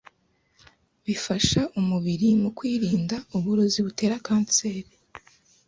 bifasha umubiri mu kwirinda uburozi butera kanseri